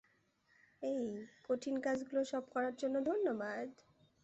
এই, কঠিন কাজগুলো সব করার জন্য ধন্যবাদ।